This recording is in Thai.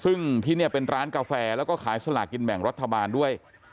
ซึ่งที่นี่เป็นร้านกาแฟแล้วก็ขายสลากินแบ่งรัฐบาลด้วย